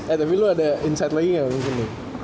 eh tapi lu ada insight lagi gak mungkin nih